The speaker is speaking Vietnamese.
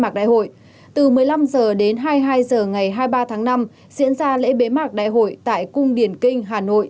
mạc đại hội từ một mươi năm h đến hai mươi hai h ngày hai mươi ba tháng năm diễn ra lễ bế mạc đại hội tại cung điển kinh hà nội